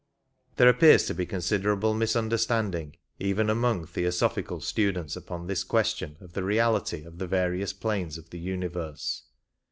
There appears to be considerable misunderstanding even among Theosophical students upon this question of the reality of the various planes of the universe.